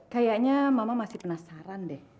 kayaknya mama masih penasaran deh